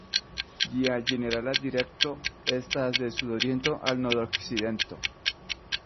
Ĝia ĝenerala direkto estas de sud-oriento al nord-okcidento.